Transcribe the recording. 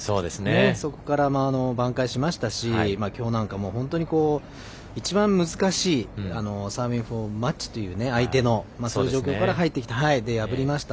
そこから挽回しましたしきょうなんかも、本当に一番、難しいサービングフォーザマッチという相手のそういう状況から入ってきて破りました。